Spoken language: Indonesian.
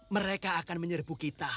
mereka akan menyerbu kita